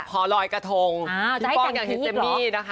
พอลอยกระทงพี่ป้องอยากเห็นเจมมี่นะคะ